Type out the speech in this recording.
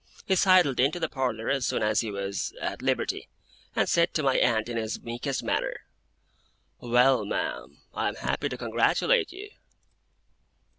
He sidled into the parlour as soon as he was at liberty, and said to my aunt in his meekest manner: 'Well, ma'am, I am happy to congratulate you.